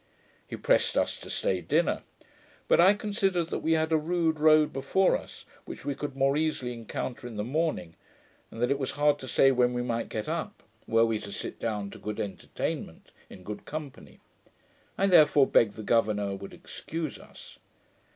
He pressed us to stay dinner; but I considered that we had a rude road before us, which we could more easily encounter in the morning, and that it was hard to say when we might get up, were we to sit down to good entertainment, in good company: I therefore begged the governour would excuse us.